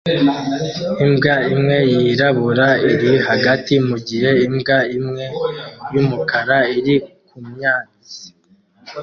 Imbwa imwe yirabura iri hagati mugihe imbwa imwe yumukara iri kumyatsi